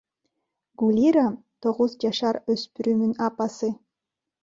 Гулира — тогуз жашар өспүрүмүн апасы.